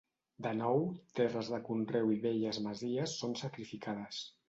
De nou, terres de conreu i velles masies són sacrificades.